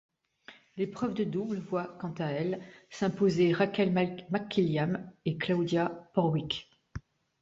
L'épreuve de double voit quant à elle s'imposer Rachel McQuillan et Claudia Porwik.